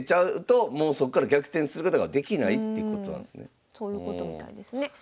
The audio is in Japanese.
だからそういうことみたいですね。